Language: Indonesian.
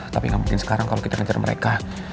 tapi gak mungkin sekarang kalau kita ngejar mereka